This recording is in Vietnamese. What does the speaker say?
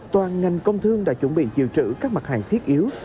toàn ngành công thương đã chuẩn bị dự trữ các mặt hàng thiết yếu